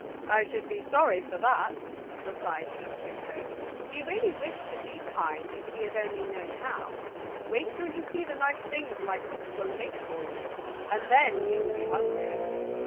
"I should be sorry for that," replied King Pluto. He really wished to be kind if he had only known how. "Wait till you see the nice things my cook will make for you, and then you will be hungry."